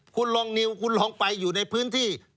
คุณลองนิวคุณลองไปอยู่ในพื้นที่